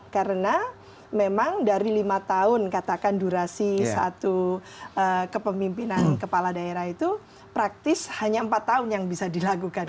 karena memang dari lima tahun katakan durasi satu kepemimpinan kepala daerah itu praktis hanya empat tahun yang bisa dilakukan